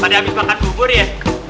tadi abis makan bubur ya